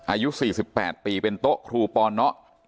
อายุ๔๘ปีเป็นโต๊ะครูปอน